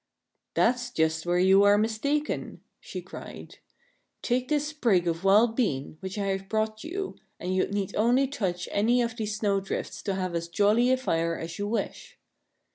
" That's just where you are mistaken," she cried. " Take this sprig of wild bean, which I have brought you, and you need only touch any one of these snow drifts to have as jolly a fire as you wish."